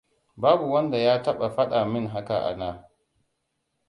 Babu wanda ya taɓa faɗa min haka a da.